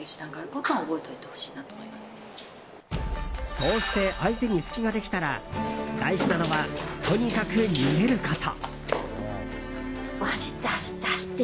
そうして相手に隙ができたら大事なのは、とにかく逃げること。